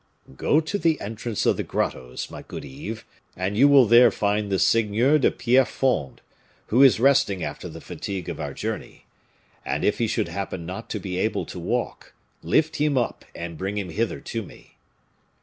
"Go to the entrance of the grottoes, my good Yves, and you will there find the Seigneur de Pierrefonds, who is resting after the fatigue of our journey. And if he should happen not to be able to walk, lift him up, and bring him hither to me."